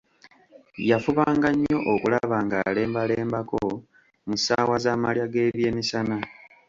Yafubanga nnyo okulaba ng'alembalembako mu ssaawa za malya g'ebyemisana.